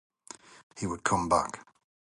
He would come back.